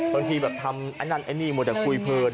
บางทีแบบทำอันนั้นอันนี้หมดแต่คุยเพลิน